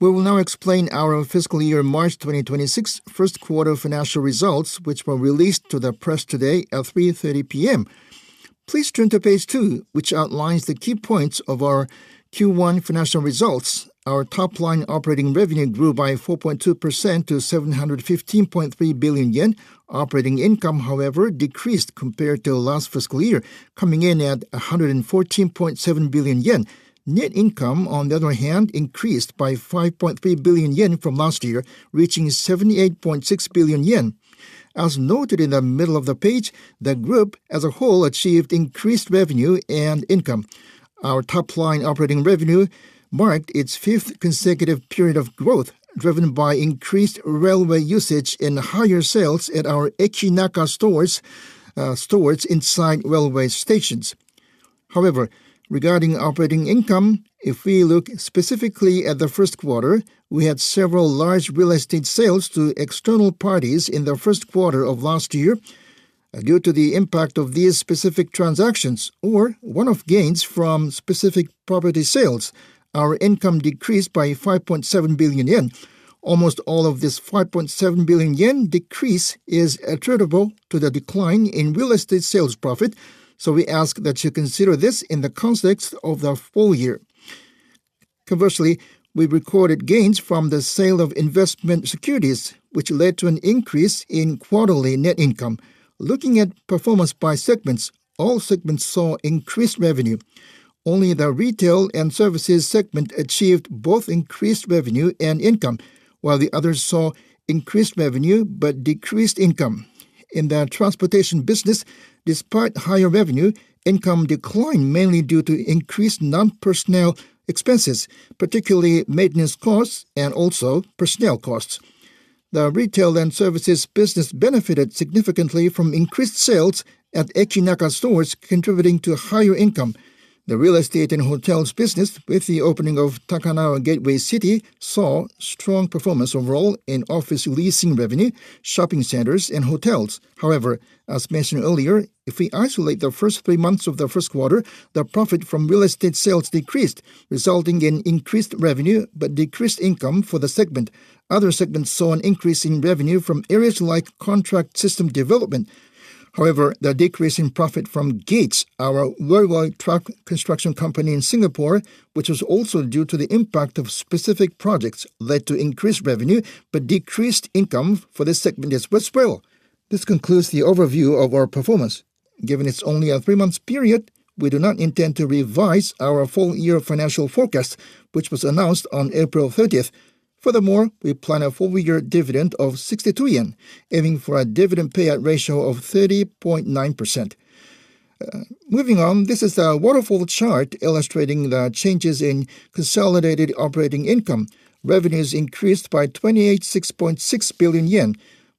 We will now explain our fiscal year March 2026 first-quarter financial results, which were released to the press today at 3:30 P.M. Please turn to page 2, which outlines the key points of our Q1 financial results. Our top-line operating revenue grew by 4.2% to 715.3 billion. Operating Income, however, decreased compared to last fiscal year, coming in at 114.7 billion yen. Net income, on the other hand, increased by 5.3 billion yen from last year, reaching 78.6 billion yen. As noted in the middle of the page, the Group as a whole achieved increased revenue and income. Our top-line operating revenue marked its fifth consecutive period of growth, driven by increased railway usage and higher sales at our EKINAKA stores inside railway stations. However, regarding Operating Income, if we look specifically at the first quarter, we had several large real estate sales to external parties in the first quarter of last year. Due to the impact of these specific transactions, or one-off gains from specific property sales, our income decreased by 5.7 billion yen. Almost all of this 5.7 billion yen decrease is attributable to the decline in real estate sales profit, so we ask that you consider this in the context of the full year. Conversely, we recorded gains from the sale of investment securities, which led to an increase in quarterly net income. Looking at performance by segments, all segments saw increased revenue. Only the retail and services segment achieved both increased revenue and income, while the others saw increased revenue but decreased income. In the transportation business, despite higher revenue, income declined mainly due to increased non-personnel expenses, particularly maintenance costs and also personnel costs. The retail and services business benefited significantly from increased sales at EKINAKA stores, contributing to higher income. The real estate and hotels business, with the opening of Takanawa Gateway City, saw strong performance overall in office leasing revenue, shopping centers, and hotels. However, as mentioned earlier, if we isolate the first three months of the first quarter, the profit from real estate sales decreased, resulting in increased revenue but decreased income for the segment. Other segments saw an increase in revenue from areas like contract system development. However, the decrease in profit from Gates, our railway truck construction company in Singapore, which was also due to the impact of specific projects, led to increased revenue but decreased income for this segment as well. This concludes the overview of our performance. Given it's only a three-month period, we do not intend to revise our full-year financial forecast, which was announced on April 30. Furthermore, we plan a full-year dividend of 62 yen, aiming for a dividend payout ratio of 30.9%. Moving on, this is a waterfall chart illustrating the changes in consolidated Operating Income. Revenues increased by 286.6 billion yen,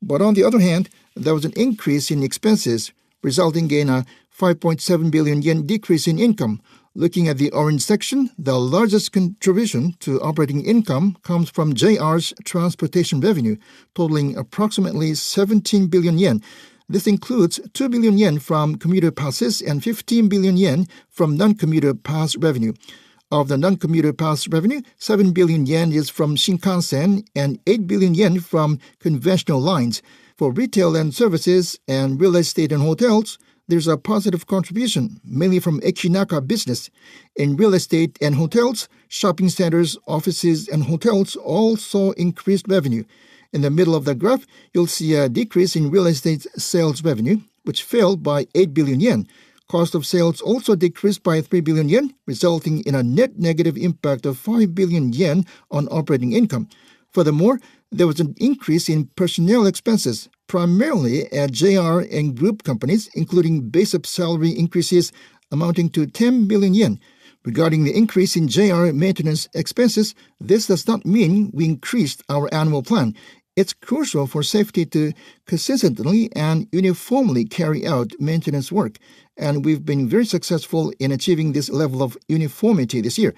but on the other hand, there was an increase in expenses, resulting in a 5.7 billion yen decrease in income. Looking at the orange section, the largest contribution to Operating Income comes from JR's transportation revenue, totaling approximately 17 billion yen. This includes 2 billion yen from commuter passes and 15 billion yen from non-commuter pass revenue. Of the non-commuter pass revenue, 7 billion yen is from Shinkansen and 8 billion yen from conventional lines. For retail and services and real estate and hotels, there's a positive contribution, mainly from EKINAKA business. In real estate and hotels, shopping centers, offices, and hotels also increased revenue. In the middle of the graph, you'll see a decrease in real estate sales revenue, which fell by 8 billion yen. Cost of sales also decreased by 3 billion yen, resulting in a net negative impact of 5 billion yen on Operating Income. Furthermore, there was an increase in personnel expenses, primarily at JR and Group companies, including base-up salary increases amounting to 10 billion yen. Regarding the increase in JR maintenance expenses, this does not mean we increased our annual plan. It's crucial for safety to consistently and uniformly carry out maintenance work, and we've been very successful in achieving this level of uniformity this year.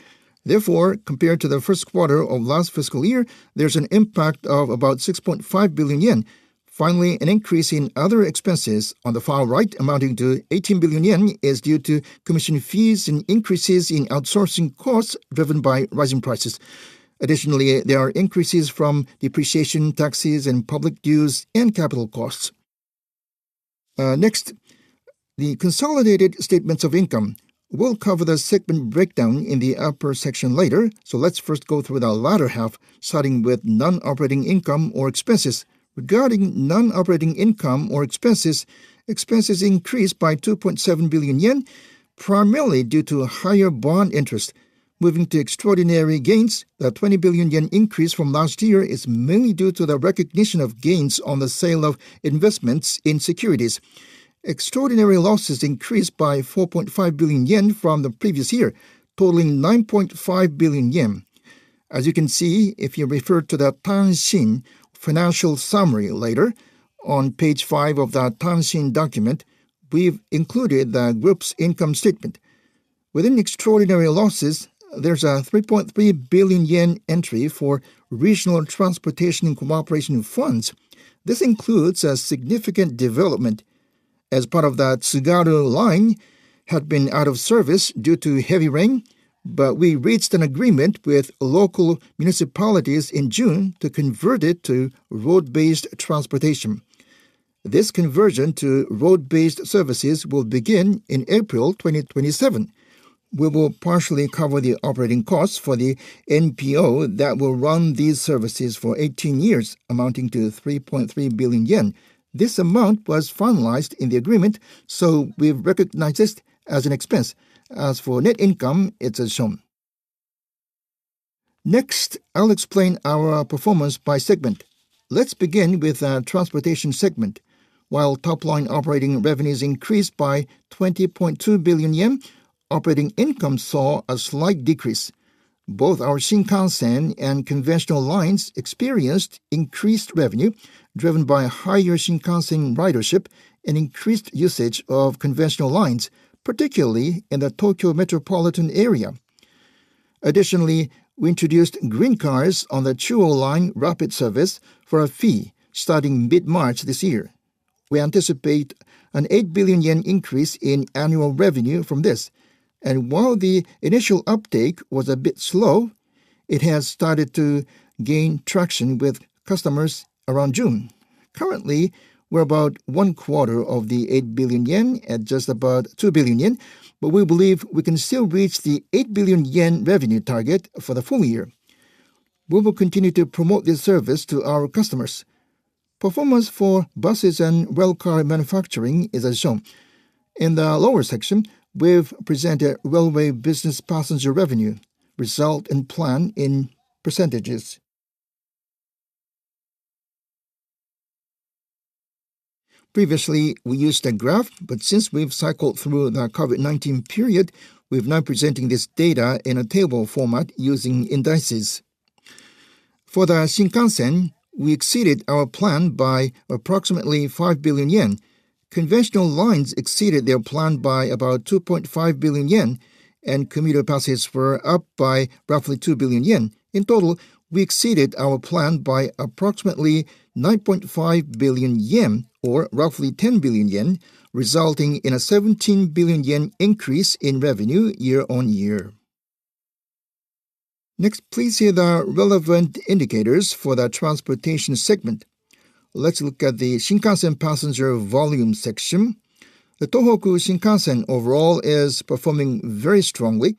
Therefore, compared to the first quarter of last fiscal year, there's an impact of about 6.5 billion yen. Finally, an increase in other expenses on the far right, amounting to 18 billion yen, is due to commission fees and increases in outsourcing costs driven by rising prices. Additionally, there are increases from depreciation, taxes and public dues, and capital costs. Next, the consolidated statements of income. We'll cover the segment breakdown in the upper section later, so let's first go through the latter half, starting with Non-Operating Income or expenses. Regarding Non-Operating Income or expenses, expenses increased by 2.7 billion yen, primarily due to higher bond interest. Moving to extraordinary gains, the 20 billion yen increase from last year is mainly due to the recognition of gains on the sale of investments in securities. Extraordinary losses increased by 4.5 billion yen from the previous year, totaling 9.5 billion yen. As you can see, if you refer to the Tanshin financial summary later, on page 5 of the Tanshin document, we've included the Group's income statement. Within extraordinary losses, there's a 3.3 billion yen entry for regional transportation cooperation funds. This includes a significant development. As part of the Tsugaru Line had been out of service due to heavy rain, we reached an agreement with local municipalities in June to convert it to road-based transportation. This conversion to road-based services will begin in April 2027. We will partially cover the operating costs for the NPO that will run these services for 18 years, amounting to 3.3 billion yen. This amount was finalized in the agreement, so we recognize it as an expense. As for net income, it's as shown. Next, I'll explain our performance by segment. Let's begin with the transportation segment. While top-line operating revenues increased by 20.2 billion yen, Operating Income saw a slight decrease. Both our Shinkansen and conventional lines experienced increased revenue driven by higher Shinkansen ridership and increased usage of conventional lines, particularly in the Tokyo metropolitan area. Additionally, we introduced green cars on the Chuo Line Rapid Service for a fee starting mid-March this year. We anticipate an 8 billion yen increase in annual revenue from this, and while the initial uptake was a bit slow, it has started to gain traction with customers around June. Currently, we're about one quarter of the 8 billion yen at just about 2 billion yen, but we believe we can still reach the 8 billion yen revenue target for the full year. We will continue to promote this service to our customers. Performance for buses and railcar manufacturing is as shown. In the lower section, we've presented railway business passenger revenue, result and plan in percentages. Previously, we used a graph, but since we've cycled through the COVID-19 period, we're now presenting this data in a table format using indices. For the Shinkansen, we exceeded our plan by approximately 5 billion yen. Conventional lines exceeded their plan by about 2.5 billion yen, and commuter passes were up by roughly 2 billion yen. In total, we exceeded our plan by approximately 9.5 billion yen, or roughly 10 billion yen, resulting in a 17 billion yen increase in revenue year-on-year. Next, please see the relevant indicators for the transportation segment. Let's look at the Shinkansen passenger volume section. The Tohoku Shinkansen overall is performing very strongly.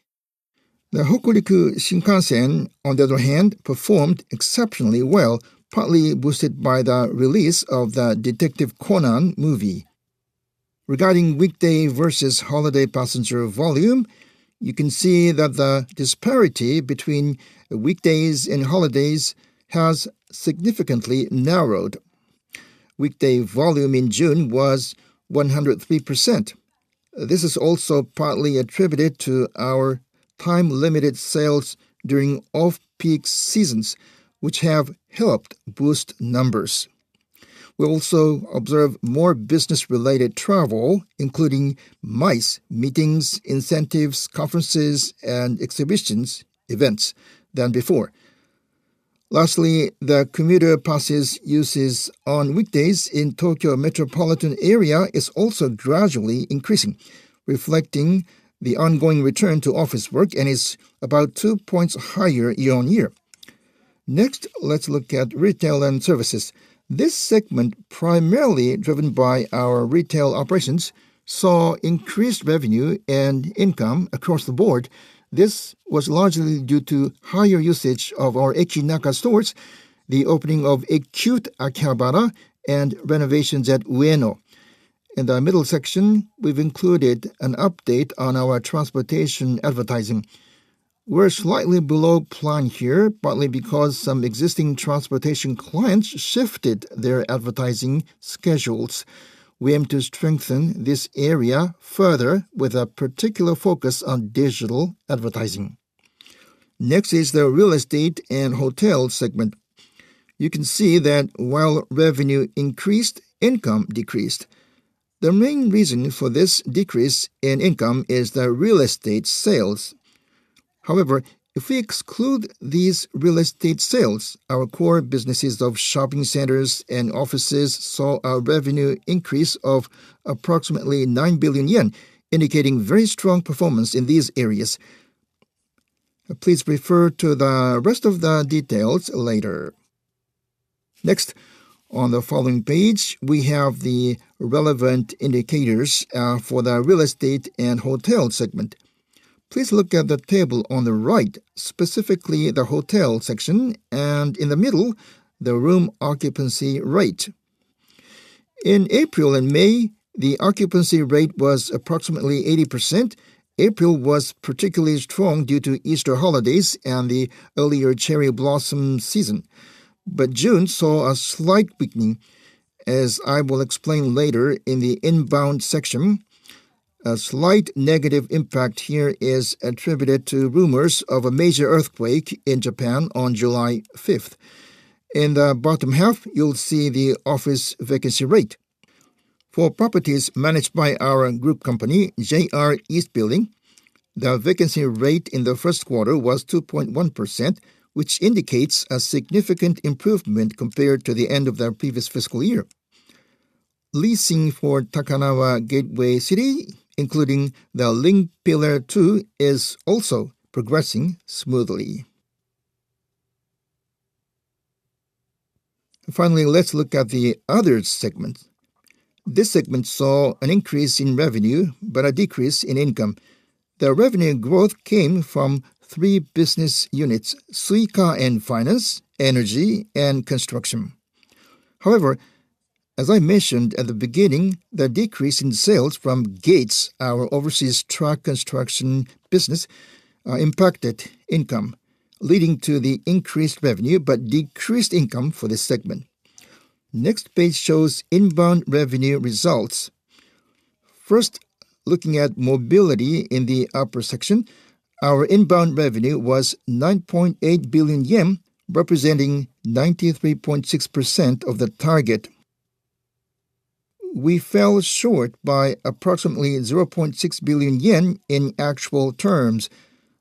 The Hokuriku Shinkansen, on the other hand, performed exceptionally well, partly boosted by the release of the Detective Conan movie. Regarding weekday versus holiday passenger volume, you can see that the disparity between weekdays and holidays has significantly narrowed. Weekday volume in June was 103%. This is also partly attributed to our time-limited sales during off-peak seasons, which have helped boost numbers. We also observe more business-related travel, including MICE meetings, incentives, conferences, and exhibition events than before. Lastly, the commuter passes use on weekdays in the Tokyo metropolitan area is also gradually increasing, reflecting the ongoing return to office work and is about two points higher year-on-year. Next, let's look at retail and services. This segment, primarily driven by our retail operations, saw increased revenue and income across the board. This was largely due to higher usage of our EKINAKA stores, the opening of ecute Akihabara, and renovations at Ueno. In the middle section, we've included an update on our transportation advertising. We're slightly below plan here, partly because some existing transportation clients shifted their advertising schedules. We aim to strengthen this area further with a particular focus on digital advertising. Next is the real estate and hotel segment. You can see that while revenue increased, income decreased. The main reason for this decrease in income is the one-off real estate sales. However, if we exclude these real estate sales, our core businesses of shopping centers and offices saw a revenue increase of approximately 9 billion yen, indicating very strong performance in these areas. Please refer to the rest of the details later. Next, on the following page, we have the relevant indicators for the real estate and hotel segment. Please look at the table on the right, specifically the hotel section, and in the middle, the room occupancy rate. In April and May, the occupancy rate was approximately 80%. April was particularly strong due to Easter holidays and the earlier cherry blossom season, but June saw a slight weakening, as I will explain later in the inbound section. A slight negative impact here is attributed to rumors of a major earthquake in Japan on July 5. In the bottom half, you'll see the office vacancy rate. For properties managed by our Group Company, JR East Building, the vacancy rate in the first quarter was 2.1%, which indicates a significant improvement compared to the end of the previous fiscal year. Leasing for Takanawa Gateway City, including the Link Pillar 2, is also progressing smoothly. Finally, let's look at the other segment. This segment saw an increase in revenue but a decrease in income. The revenue growth came from three business units: Suica & Finance, Energy, and Construction. However, as I mentioned at the beginning, the decrease in sales from Gates, our overseas truck construction business, impacted income, leading to the increased revenue but decreased income for this segment. Next page shows inbound revenue results. First, looking at mobility in the upper section, our inbound revenue was 9.8 billion yen, representing 93.6% of the target. We fell short by approximately 0.6 billion yen in actual terms.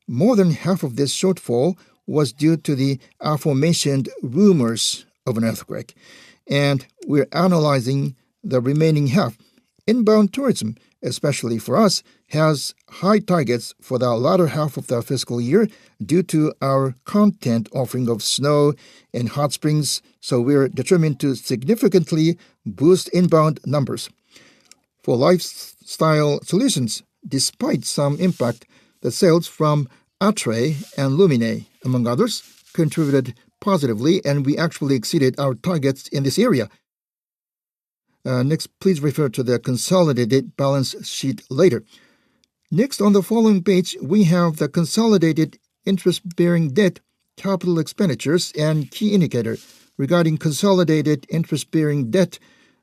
More than half of this shortfall was due to the aforementioned rumors of an earthquake, and we're analyzing the remaining half. Inbound tourism, especially for us, has high targets for the latter half of the fiscal year due to our content offering of snow and hot springs, so we're determined to significantly boost inbound numbers. For lifestyle solutions, despite some impact, the sales from Atre and Lumine, among others, contributed positively, and we actually exceeded our targets in this area. Next, please refer to the consolidated balance sheet later. Next, on the following page, we have the consolidated interest-bearing debt capital expenditures and key indicator. Regarding consolidated interest-bearing debt,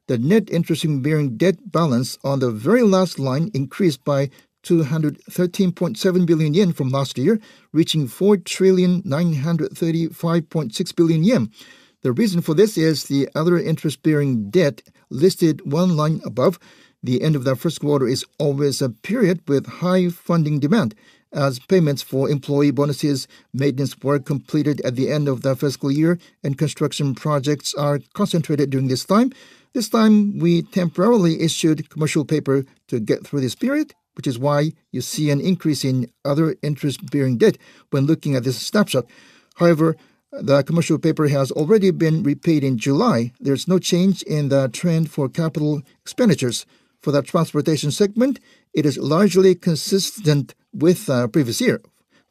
the net interest-bearing debt balance on the very last line increased by 213.7 billion yen from last year, reaching 4,935,600,000,000 yen. The reason for this is the other interest-bearing debt listed one line above. The end of the first quarter is always a period with high funding demand, as payments for employee bonuses, maintenance work completed at the end of the fiscal year, and construction projects are concentrated during this time. This time, we temporarily issued commercial paper to get through this period, which is why you see an increase in other interest-bearing debt when looking at this snapshot. However, the commercial paper has already been repaid in July. There's no change in the trend for capital expenditures. For the transportation segment, it is largely consistent with the previous year.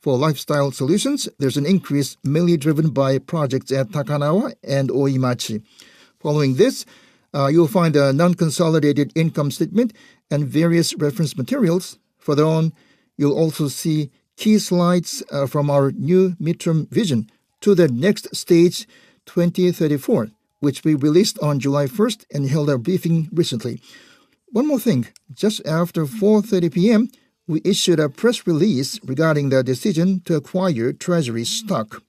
For lifestyle solutions, there's an increase mainly driven by projects at Takanawa and Oimachi. Following this, you'll find a non-consolidated income statement and various reference materials. Further on, you'll also see key slides from our new midterm vision to the next stage, 2034, which we released on July 1 and held a briefing recently. One more thing, just after 4:30 P.M., we issued a press release regarding the decision to acquire Treasury stock.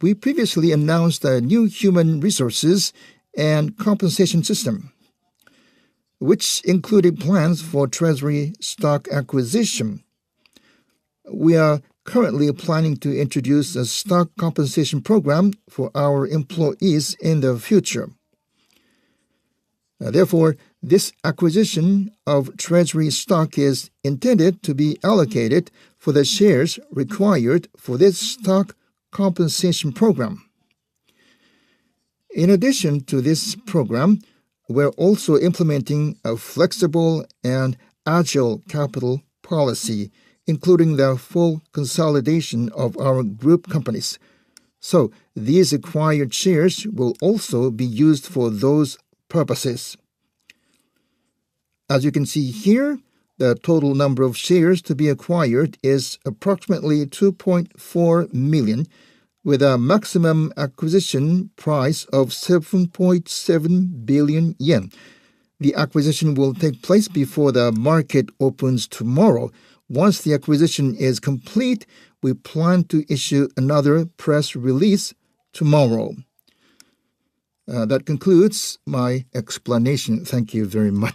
We previously announced a new human resources and compensation system, which included plans for Treasury stock acquisition. We are currently planning to introduce a stock compensation program for our employees in the future. Therefore, this acquisition of Treasury stock is intended to be allocated for the shares required for this stock compensation program. In addition to this program, we're also implementing a flexible and agile capital policy, including the full consolidation of our Group Companies. These acquired shares will also be used for those purposes. As you can see here, the total number of shares to be acquired is approximately 2.4 million, with a maximum acquisition price of 7.7 billion yen. The acquisition will take place before the market opens tomorrow. Once the acquisition is complete, we plan to issue another press release tomorrow. That concludes my explanation. Thank you very much.